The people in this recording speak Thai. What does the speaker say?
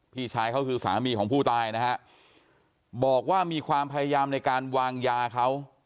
พี่ชายเขาคือสามีของผู้ตายนะฮะบอกว่ามีความพยายามในการวางยาเขา